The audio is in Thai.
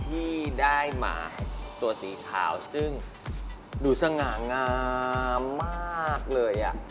ที่ได้หมาตัวสีขาวซึ่งดูสง่างามมากเลย